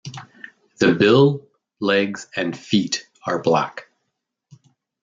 The bill, legs and feet are black.